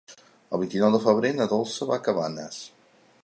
El vint-i-nou de febrer na Dolça va a Cabanes.